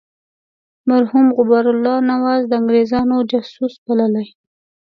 مرحوم غبار الله نواز د انګرېزانو جاسوس بللی.